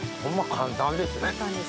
簡単ですね。